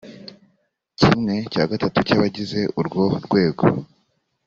kimwe cya gatatu cy’abagize urwo rwego